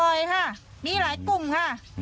ค่ะมีหลายกลุ่มค่ะ